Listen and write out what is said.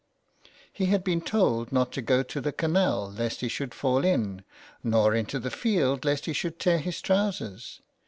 He had been told not to go to the canal lest he should fall in, nor into the field lest he should tear his trou sers.